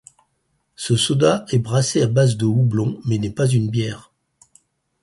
Ce soda est brassé à base de houblon mais n'est pas une bière.